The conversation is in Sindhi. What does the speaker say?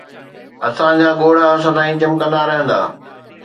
اسان جا ڳوڙها سدائين چمڪندا رهندا